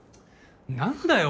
何だよ